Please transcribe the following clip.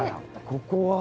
ここは？